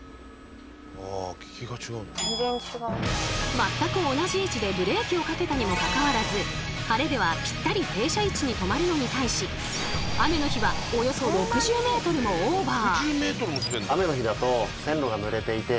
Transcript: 全く同じ位置でブレーキをかけたにもかかわらず晴れではぴったり停車位置に止まるのに対し雨の日はおよそ６０ｍもオーバー。